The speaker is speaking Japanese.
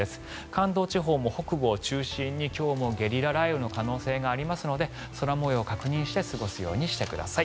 関東地方も北部を中心に今日もゲリラ雷雨の可能性がありますので空模様を確認して過ごすようにしてください。